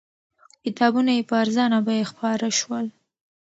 کتابونه یې په ارزانه بیه خپاره شول.